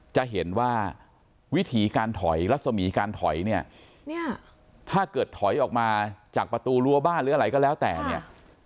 จะเห็นว่าวิถีการถอยรัศมีการถอยเนี่ยถ้าเกิดถอยออกมาจากประตูรั้วบ้านหรืออะไรก็แล้วแต่เนี่ย